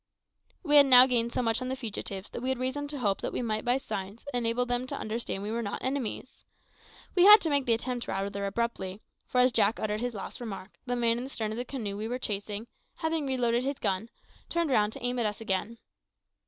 We had now gained so much on the fugitives that we had reason to hope that we might by signs enable them to understand that we were not enemies. We had to make the attempt rather abruptly, for as Jack uttered his last remark, the man in the stern of the canoe we were chasing, having reloaded his gun, turned round to aim at us again.